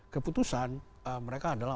keputusan mereka adalah